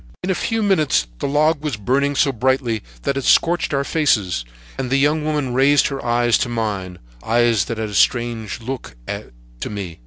"In a few minutes the log was burning so brightly that it scorched our faces, and the young woman raised her eyes to mine—eyes that had a strange look to me.